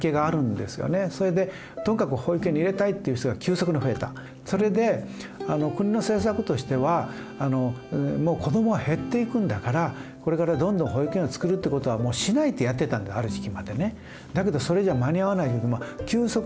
それでともかくそれで国の政策としてはもう子どもは減っていくんだからこれからどんどん保育園を作るってことはもうしないってやってたんだある時期までね。